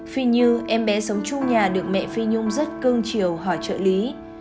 phi như em bé sống chung nhà được mẹ phi nhung rất cưng chiều hỏi trợ lý